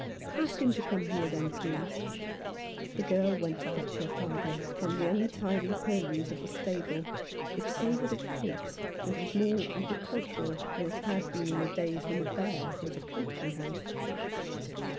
"Ask him to come here, then, please." The girl went to fetch her . father from the untidy purlieus of the stable, which savoured of pigs, and was more agricultural than it had been in the days when the Bear was a coaching house.